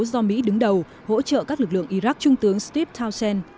do mỹ đứng đầu hỗ trợ các lực lượng iraq trung tướng steve townshend